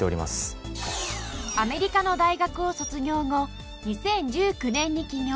アメリカの大学を卒業後２０１９年に起業。